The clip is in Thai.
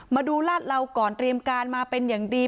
มาดูลาดเหลาก่อนเตรียมการมาเป็นอย่างดี